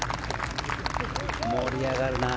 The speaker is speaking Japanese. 盛り上がるな。